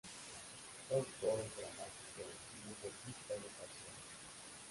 Fue autor dramático y libretista de zarzuelas.